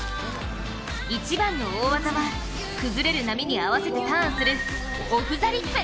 一番の大技は、崩れる波に合わせてターンするオフザリップ。